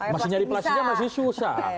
masih nyari plastiknya masih susah